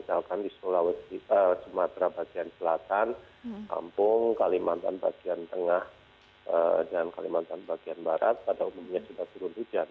misalkan di sumatera bagian selatan kampung kalimantan bagian tengah dan kalimantan bagian barat pada umumnya sudah turun hujan